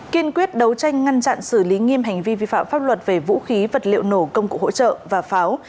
kiên quyết đấu tranh ngăn chặn xử lý nghiêm hành vi vi phạm pháp luật về vũ khí vật liệu nổ công cụ hỗ trợ và pháo